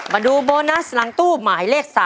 มาดูโบนัสหลังตู้หมายเลข๓